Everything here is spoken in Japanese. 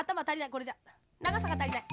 これじゃながさがたりない。